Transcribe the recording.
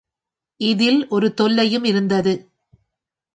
இதில் ஒரு தொல்லையும் இருந்தது.